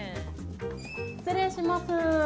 失礼します。